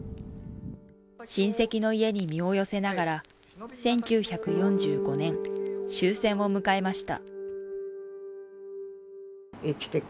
親戚の家に身を寄せながら１９４５年、終戦を迎えました。